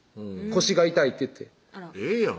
「腰が痛い」って言ってええや